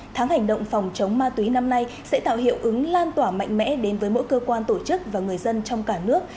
tháng hành động phòng chống ma túy năm nay sẽ tạo hiệu ứng lan tỏa mạnh mẽ đến với mỗi cơ quan tổ chức và người dân trong cả nước